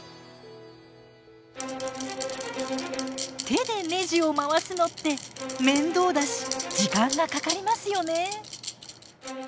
手でネジを回すのって面倒だし時間がかかりますよね？